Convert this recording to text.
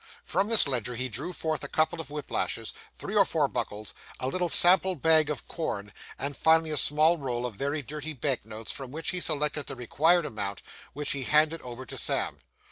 From this ledger he drew forth a couple of whiplashes, three or four buckles, a little sample bag of corn, and, finally, a small roll of very dirty bank notes, from which he selected the required amount, which he handed over to Sam.